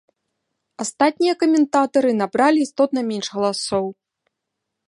Астатнія каментатары набралі істотна менш галасоў.